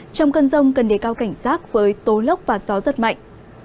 trong cân rông cần để cao cảnh sát với tố lốc và gió rất mạnh